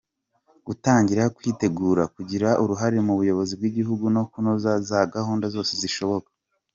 Gutangira kwitegura kugira uruhare mu buyobozi bw’igihugu no kunoza za gahunda zose zishoboka.